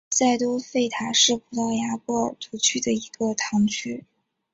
塞多费塔是葡萄牙波尔图区的一个堂区。